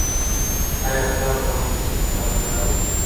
آیا پلار به نن کور ته کتابونه راوړي؟